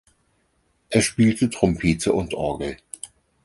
Er spielte Trompete und Orgel.